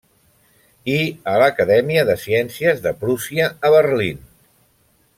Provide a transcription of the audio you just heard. I a l'Acadèmia de Ciències de Prússia, a Berlín.